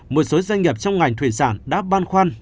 một số doanh nghiệp trong ngành thủy sản đã băn khoăn